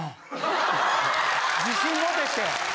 自信持てって。